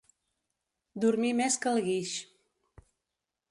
Dormir més que el guix.